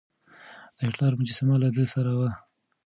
د هېټلر مجسمه له ده سره وه.